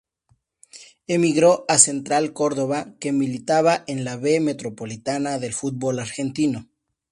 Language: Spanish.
Emigró a Central Córdoba que militaba en la B Metropolitana del fútbol argentino.